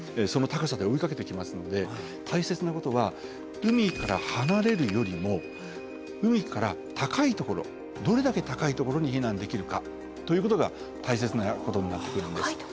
その高さで追いかけてきますので大切なことは海から離れるよりも海から高いところどれだけ高いところに避難できるかということが大切なことになってくるんです。